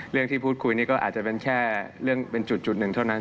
ที่พูดคุยนี่ก็อาจจะเป็นแค่เรื่องเป็นจุดหนึ่งเท่านั้น